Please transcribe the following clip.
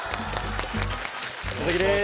お先です。